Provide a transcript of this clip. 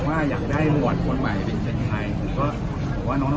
ว่าอยากได้หมวดขวดใหม่เป็นแขมไทหรือว่าหรือว่าน้อง